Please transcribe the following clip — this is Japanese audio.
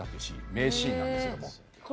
名シーンなんですけども。